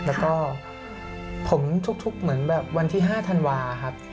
แล้วก็ผมทุกเหมือนแบบวันที่๕ธันวาครับ